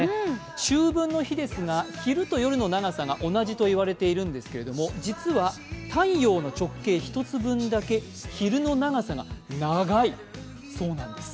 秋分の朝ですが、昼と夜の長さが同じといわれているんですが実は太陽の直径１つ分だけ昼の長さが長いそうなんです。